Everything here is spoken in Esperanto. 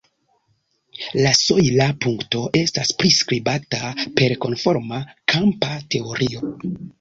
La sojla punkto estas priskribata per konforma kampa teorio.